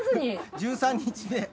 １３日で。